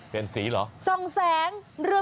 เปลี่ยนสีหรอ